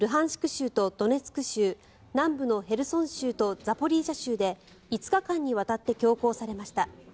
州とドネツク州南部のヘルソン州とザポリージャ州で５日間にわたって強行されました。